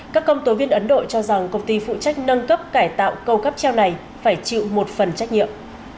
các công tố viên ấn độ cho rằng công ty phụ trách nâng cấp cải tạo cầu cáp treo này phải chịu một phần trách nhiệm